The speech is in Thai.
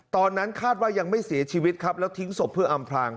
ตอนนั้นคาดว่ายังไม่เสียชีวิตครับแล้วทิ้งศพเพื่ออำพลาง